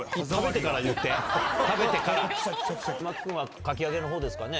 真木君はかき揚げのほうですかね